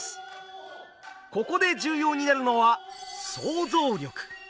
ここで重要になるのは想像力！